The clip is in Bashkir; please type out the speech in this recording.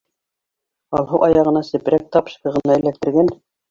Алһыу аяғына сепрәк тапочка ғына эләктергән.